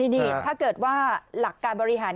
นี่ถ้าเกิดว่าหลักการบริหาร